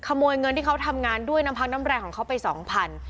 ขโมยเงินที่เห็นเขาทำงานด้วยน้ำพักน้ำแรงเขายัน๒๐๐๐บาท